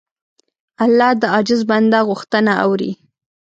الله د عاجز بنده غوښتنه اوري.